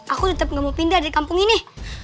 aku tetep gak mau pindah di kampung ini